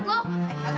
sepatu lu buka pet